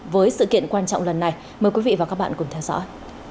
với sự kiện quan trọng lần này mời quý vị và các bạn cùng theo dõi